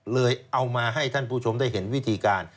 เอามาให้ท่านผู้ชมได้เห็นวิธีการ